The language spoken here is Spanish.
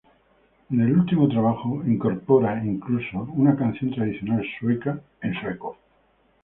En el último trabajo incorpora, incluso, una canción tradicional sueca, en sueco.